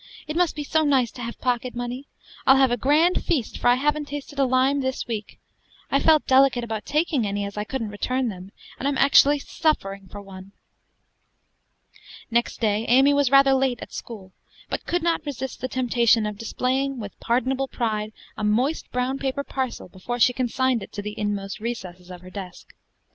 it must be so nice to have pocket money. I'll have a grand feast, for I haven't tasted a lime this week. I felt delicate about taking any, as I couldn't return them, and I'm actually suffering for one." Next day Amy was rather late at school; but could not resist the temptation of displaying, with pardonable pride, a moist brown paper parcel before she consigned it to the inmost recesses of her desk.